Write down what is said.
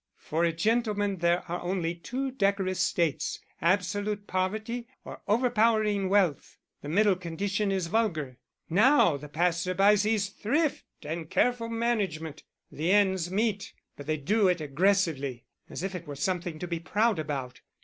For a gentleman there are only two decorous states, absolute poverty or overpowering wealth; the middle condition is vulgar. Now the passer by sees thrift and careful management, the ends meet, but they do it aggressively, as if it were something to be proud about.